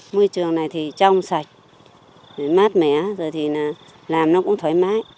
ngôi trường này thì trong sạch mát mẻ rồi thì làm nó cũng thoải mái